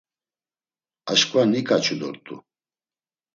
Aşǩva niǩaçu dort̆u.